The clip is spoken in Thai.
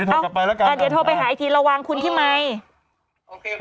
พี่วางแล้วพี่โทรมาแล้วกันไม่ใช่พูดเลยอ่าอ่าไม่ใช่เดี๋ยว